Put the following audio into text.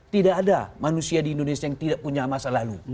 tidak ada manusia di indonesia yang tidak punya masa lalu